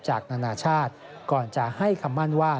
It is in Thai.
นานาชาติก่อนจะให้คำมั่นว่า